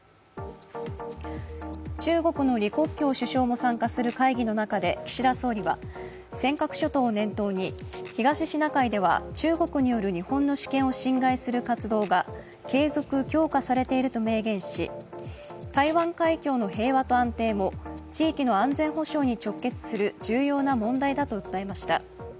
中国の李克強首相も参加する会議の中で岸田総理は、尖閣諸島を念頭に東シナ海では中国による日本の主権を侵害する活動が継続・強化されていると明言し台湾海峡の平和と安定も地域の安全保障に直結する重要な問題だと訴えました。